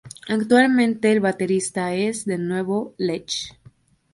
Actualmente, el baterista es, de nuevo, Lech.